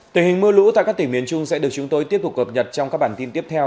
tình hình mưa lũ tại các tỉnh miền trung sẽ được chúng tôi tiếp tục cập nhật trong các bản tin tiếp theo